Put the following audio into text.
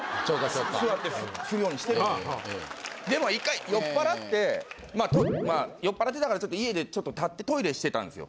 でも一回酔っ払ってまあ酔っ払ってたからちょっと家で立ってトイレしてたんですよ。